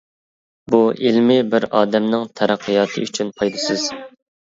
بۇ ئىلمىي بىر ئادەمنىڭ تەرەققىياتى ئۈچۈن پايدىسىز.